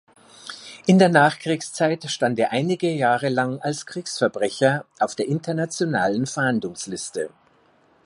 In der Nachkriegszeit stand er einige Jahre lang als Kriegsverbrecher auf der internationalen Fahndungsliste.